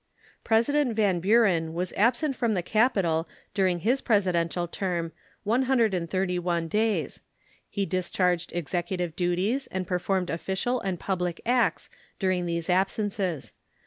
President Van Buren was absent from the capital during his Presidential term one hundred and thirty one days. He discharged executive duties and performed official and public acts during these absences.